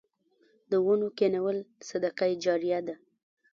د ونو کینول صدقه جاریه ده.